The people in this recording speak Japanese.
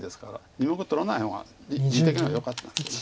２目取らない方が地的にはよかったんですけど。